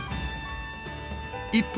一方